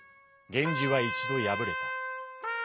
源氏は一度敗れた。